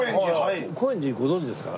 高円寺ご存じですか？